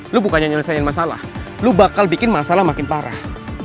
lu bukannya menyelesaikan masalah lo bakal bikin masalah makin parah